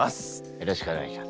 よろしくお願いします。